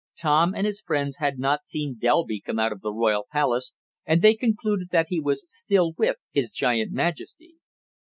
Tom and his friends had not seen Delby come out of the royal palace, and they concluded that he was still with his giant majesty.